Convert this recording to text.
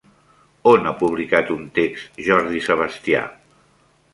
On ha publicat un text Jordi Sebastià?